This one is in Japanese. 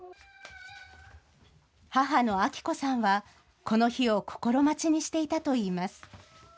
母の亜希子さんは、この日を心待ちにしていたといいます。